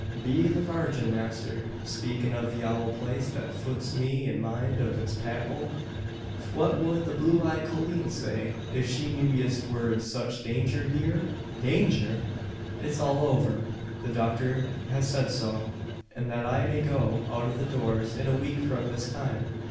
Be the Vargin, masther, speakin' of the owld place phuts me in mind of its paple. Pwhat wud the blue eyed colleen say, if she knew yez were in such danger heeur?" "Danger! it's all over. The doctor has said so; and that I may go out of doors in a week from this time.